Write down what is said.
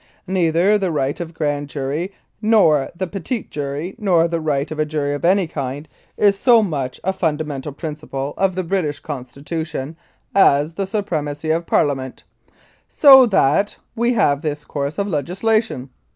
Neither the right of Grand Jury, nor the petit jury, nor the right of a jury of any kind, is so much a fundamental 194 Louis Kiel : Executed for Treason principle of the British Constitution as the Supremacy of Parliament. ... So that we have this course of legislation.